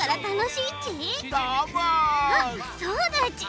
あっそうだち！